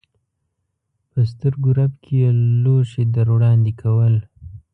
په سترګو رپ کې یې لوښي در وړاندې کول.